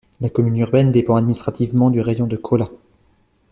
La commune urbaine dépend administrativement du raïon de Kola.